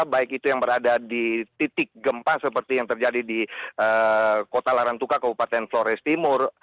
baik itu yang berada di titik gempa seperti yang terjadi di kota larantuka kabupaten flores timur